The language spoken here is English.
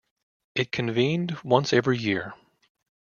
It convened once every year.